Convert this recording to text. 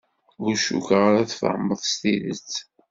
Ur cukkeɣ ara tfahmeḍ s tidet.